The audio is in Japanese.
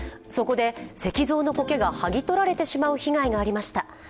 そこで石像のこけが剥ぎ取られてしまう被害がありました。